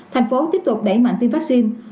thành phố tiếp tục đẩy mạnh tiêm vaccine